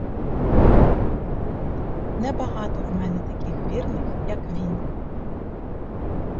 Небагато в мене таких вірних, як він.